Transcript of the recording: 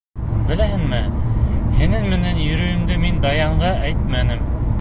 Беләһеңме, һинең менән йөрөүемде мин Даянға әйтмәнем.